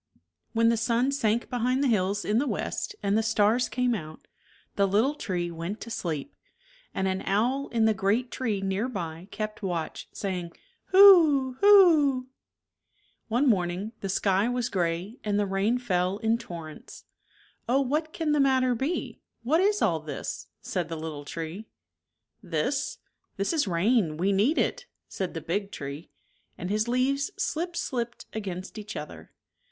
" When the sun sank behind the hills in the west and the stars came out, the little tree went to sleep, and an owl in the great tree near by kept watch, saying " Hoo hoo, Hoo hoo !" One morning the sky was gray and the rain fell in torrents. '' Oh, what can the matter be, what is all this? " said the little tree. " This ? This is rain ; we need it," said the big tree, and his leaves slip slipped against each other.